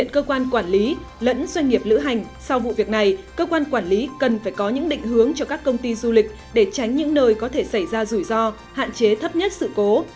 cơ quan quản lý lẫn doanh nghiệp lữ hành sau vụ việc này cơ quan quản lý cần phải có những định hướng cho các công ty du lịch để tránh những nơi có thể xảy ra rủi ro hạn chế thấp nhất sự cố